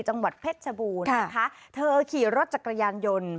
จังหวัดเพชรชบูรณ์นะคะเธอขี่รถจักรยานยนต์